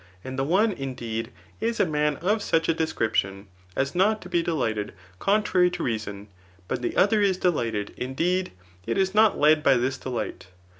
And the one, indeed, is a man of such a description, as not to be delighted contrary to reason, but the other is delighted, indeed, yet is not led by this delight.